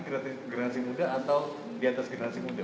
generasi muda atau di atas generasi muda